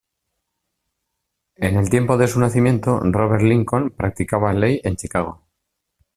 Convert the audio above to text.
En el tiempo de su nacimiento, Robert Lincoln practicaba ley en Chicago.